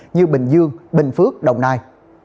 như bình dương bình phước đồng nai